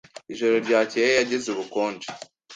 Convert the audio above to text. Ijoro ryakeye yagize ubukonje.